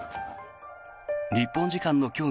日本時間の今日